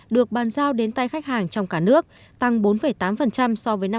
được bàn giao đến tay khách hàng trong cả nước tăng bốn tám so với năm hai nghìn một